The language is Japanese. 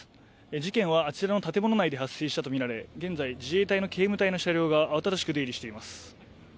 事件はあちらの建物内で発生したとみられ現在、自衛隊の警務隊の車両が慌ただしく出入りしています。